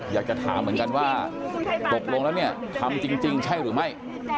อยากจะถามเหมือนกันว่าตกลงแล้วเนี่ยทำจริงใช่หรือไม่